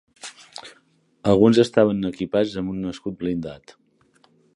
Alguns estaven equipats amb un escut blindat.